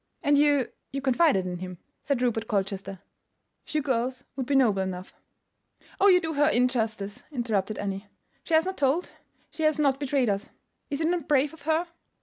"And you—you confided in him?" said Rupert Colchester. "Few girls would be noble enough——" "Oh, you do her injustice!" interrupted Annie. "She has not told; she has not betrayed us. Is it not brave of her?"